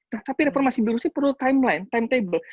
nah tapi reformasi birokrasi perlu timeline timetable